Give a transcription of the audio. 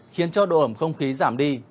khiến cho độ ẩm không khí giảm đi